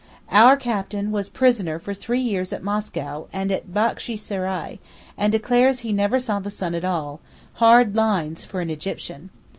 Our captain was prisoner for three years at Moscow and at Bakshi Serai, and declares he never saw the sun at all—hard lines for an Egyptian.